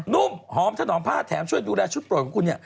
นุ่มหอมถนอมผ้าแถมช่วยดูแลชุดโปรดของคุณเนี่ย